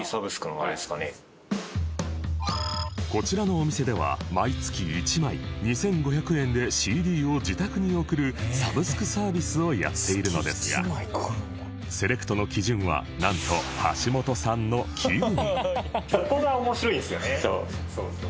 こちらのお店では毎月１枚２５００円で ＣＤ を自宅に送るサブスクサービスをやっているのですがセレクトの基準はなんと橋本さんの気分！